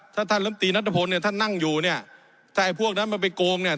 ถ้าท่านลำตีนัทพลเนี่ยท่านนั่งอยู่เนี่ยถ้าไอ้พวกนั้นมันไปโกงเนี่ย